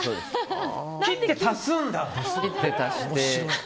切って、足すんだ。